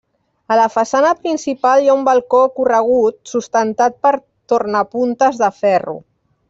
A la façana principal hi ha un balcó corregut sustentat per tornapuntes de ferro.